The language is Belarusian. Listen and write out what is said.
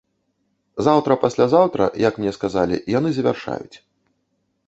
Заўтра-паслязаўтра, як мне сказалі, яны завяршаюць.